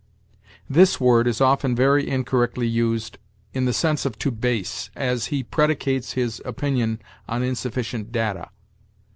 This word is often very incorrectly used in the sense of to base; as, "He predicates his opinion on insufficient data."